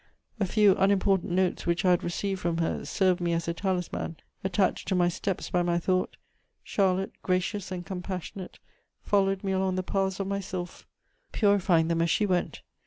A few unimportant notes which I had received from her served me as a talisman; attached to my steps by my thought, Charlotte, gracious and compassionate, followed me along the paths of my sylph, purifying them as she went.